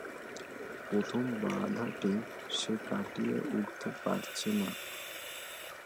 প্রথম বাধাটি সে কাটিয়ে উঠতে পারছে না।